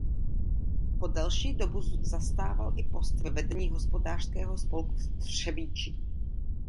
Po delší dobu zastával i posty ve vedení Hospodářského spolku v Třebíči.